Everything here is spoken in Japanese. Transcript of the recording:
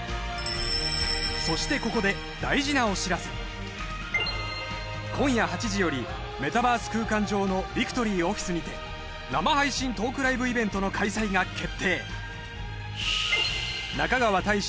そしてここで今夜８時よりメタバース空間上のビクトリーオフィスにて生配信トークライブイベントの開催が決定